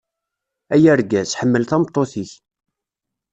Ay argaz, ḥemmel tameṭṭut-ik.